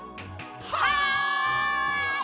はい！